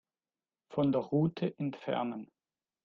Von der Route entfernen.